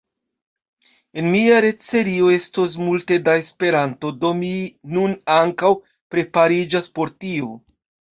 En mia retserio estos multe da Esperanto, do mi nun ankaŭ prepariĝas por tio.